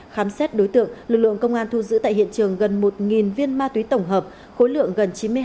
khám xét đối tượng lực lượng công an thu giữ tại hiện trường gần một viên ma túy tổng hợp khối lượng gần chín mươi hai